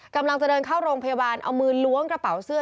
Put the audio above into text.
กำลังจะเดินเข้าโรงพยาบาลเอามือล้วงกระเป๋าเสื้อ